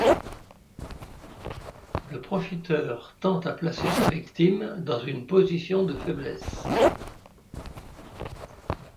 Le profiteur tente à placer sa victime dans une position de faiblesse.